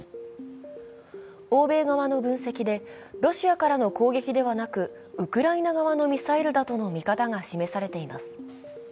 欧米側の分析で、ロシアからの攻撃ではなくウクライナ側のミサイルだとの見方が示されています。